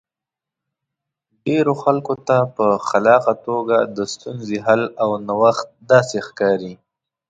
ډېرو خلکو ته په خلاقه توګه د ستونزې حل او نوښت داسې ښکاري.